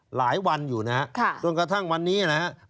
หลายวันอยู่นะครับจนกระทั่งวันนี้นะครับ